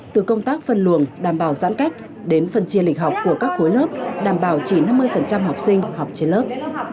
từ công tác phân luồng đảm bảo giãn cách đến phân chia lịch học của các khối lớp đảm bảo chỉ năm mươi học sinh học trên lớp